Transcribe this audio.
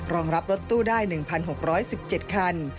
รองรับรถตู้ได้๑๖๑๗คัน